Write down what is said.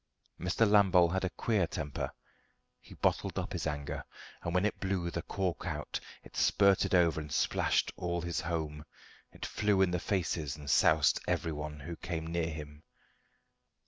Mr. Lambole had a queer temper. He bottled up his anger, but when it blew the cork out it spurted over and splashed all his home; it flew in the faces and soused everyone who came near him.